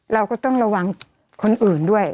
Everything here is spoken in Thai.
เราก็ต้องระวังคนอื่นด้วย